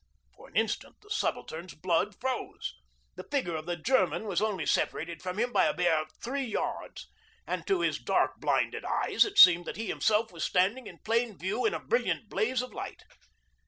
For an instant the Subaltern's blood froze. The figure of the German was only separated from him by a bare three yards, and to his dark blinded eyes it seemed that he himself was standing in plain view in a brilliant blaze of light.